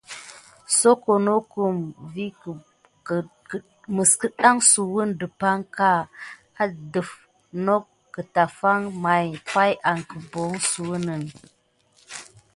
Soko diɗa vi an kəgəksouwa dəpaŋka ətaf nok an kətafwa may pay an kəpelsouwa.